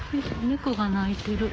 猫が鳴いてる。